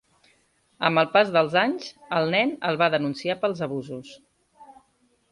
Amb el pas dels anys, el nen el va denunciar pels abusos.